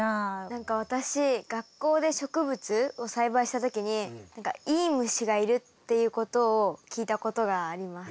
何か私学校で植物を栽培した時に何かいい虫がいるっていうことを聞いたことがあります。